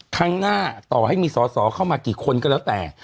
ครั้งหน้าต่อให้มีสอสอเข้ามากี่คนก็แล้วแต่